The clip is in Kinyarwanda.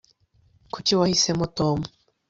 kuki wahisemo tom